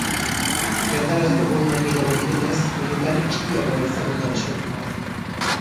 Erdarazko bonuak gehiago direnez, horietan txikiagoa izango da deskontua.